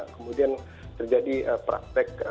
kemudian terjadi praktek